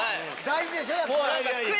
大事でしょ。